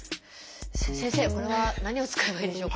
先生これは何を使えばいいでしょうか？